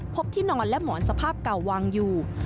ที่นอนและหมอนสภาพเก่าวางอยู่